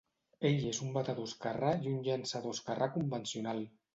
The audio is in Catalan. Ell és un batedor esquerrà i un llançador esquerrà convencional.